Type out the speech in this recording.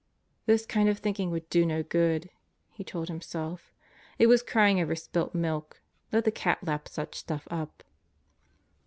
This kind of thinking would do no good, he told himself. It was crying over spilt milk. Let the cat lap such stuff up.